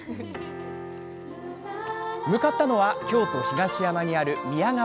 向かったのは京都・東山にある宮川町。